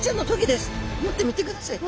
持ってみてください。